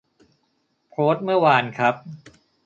โพสต์เมื่อวานครับ